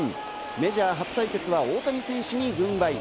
メジャー初対決は大谷選手に軍配。